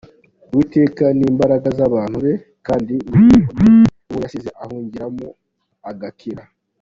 Uwiteka ni imbaraga z’abantu be, Kandi ni igihome uwo yasīze ahungiramo agakira.